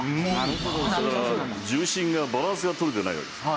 だから重心がバランスが取れてないわけですよ。